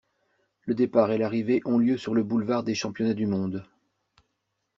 Le départ et l'arrivée ont lieu sur le boulevard des Championnats du Monde.